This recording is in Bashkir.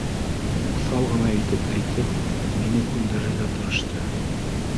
Уҫал ғына итеп әйтеп, мине күндерергә тырышты.